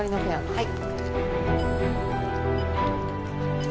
はい。